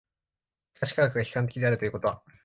しかし科学が批判的であるということは